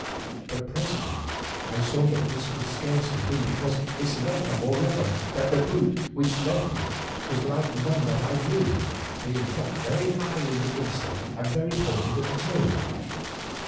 But presently I saw that this could scarcely be, because of its length, and moreover, that the boot which left it was like none that I knew, being cut very high at the instep and very pointed at the toe.